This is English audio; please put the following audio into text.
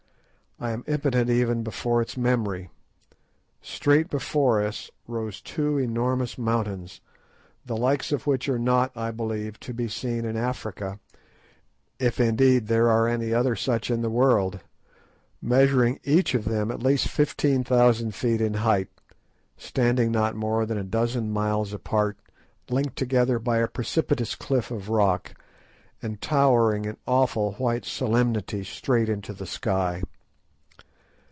I am impotent even before its memory. Straight before us, rose two enormous mountains, the like of which are not, I believe, to be seen in Africa, if indeed there are any other such in the world, measuring each of them at least fifteen thousand feet in height, standing not more than a dozen miles apart, linked together by a precipitous cliff of rock, and towering in awful white solemnity straight into the sky.